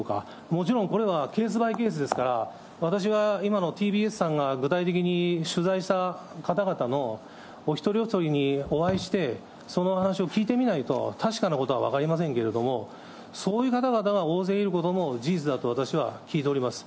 もちろんこれは、ケースバイケースですから、私は今のＴＢＳさんが具体的に取材した方々の、お一人お一人にお会いして、そのお話を聞いてみないと、確かなことは分かりませんけれども、そういう方々が大勢いることも事実だと私は聞いております。